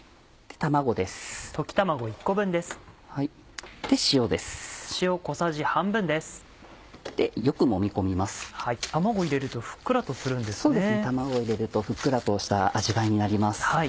卵を入れるとふっくらとした味わいになります。